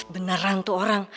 beneran tuh orang